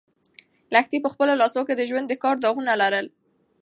لښتې په خپلو لاسو کې د ژوند د کار داغونه لرل.